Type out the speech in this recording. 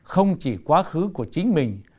không chỉ quá khứ của chính mình